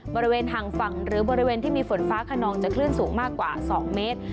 บริเวณห่างฝั่งหรือบริเวณที่มีฝนฟ้าขนองจะคลื่นสูงมากกว่า๒เมตร